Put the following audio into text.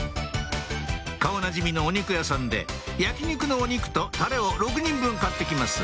顔なじみのお肉屋さんで焼き肉のお肉とタレを６人分買って来ます